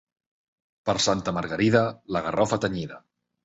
Per Santa Margarida, la garrofa tenyida.